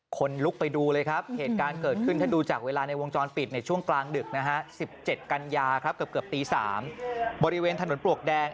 คนลุกไปดูเลยครับเหตุการณ์เกิดขึ้นถ้าดูจากเวลาในวงจรปิดในช่วงกลางดึกนะฮะ๑๗กันยาครับเกือบตี๓บริเวณถนนปลวกแดง